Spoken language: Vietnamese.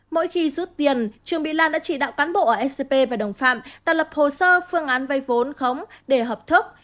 mỗi khi rút tiền trương mỹ lan đã chỉ đạo cán bộ ở ecp và đồng phạm tạo lập hồ sơ phương án vay vốn khống để hợp thức